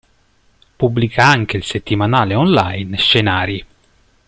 Pubblica anche il settimanale online Scenari.